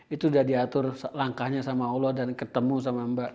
itu udah diatur langkahnya sama allah dan ketemu sama mbak